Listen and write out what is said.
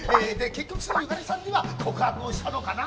結局そのゆかりさんには告白をしたのかな？